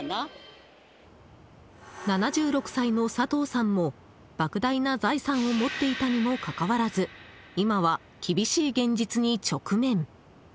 ７６歳の佐藤さんも莫大な財産を持っていたにもかかわらず今は厳しい現実に直面。